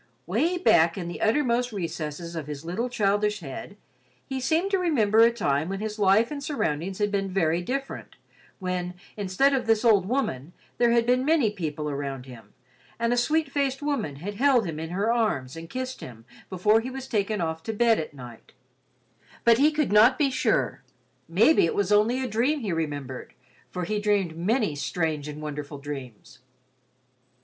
Way back in the uttermost recesses of his little, childish head, he seemed to remember a time when his life and surroundings had been very different; when, instead of this old woman, there had been many people around him, and a sweet faced woman had held him in her arms and kissed him, before he was taken off to bed at night; but he could not be sure, maybe it was only a dream he remembered, for he dreamed many strange and wonderful dreams.